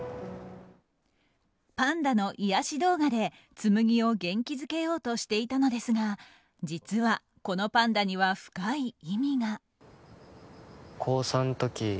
パンダの癒やし動画で紬を元気づけようとしていたのですが実は、このパンダには深い意味が。